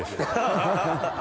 ハハハ。